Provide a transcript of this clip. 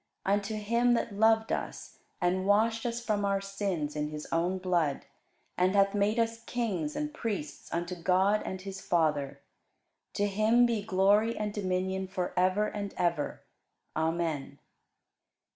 Unto him that loved us, and washed us from our sins in his own blood, and hath made us kings and priests unto God and his Father; to him be glory and dominion for ever and ever. Amen.